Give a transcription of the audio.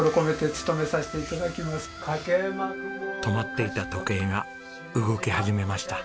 止まっていた時計が動き始めました。